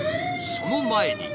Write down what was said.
その前に。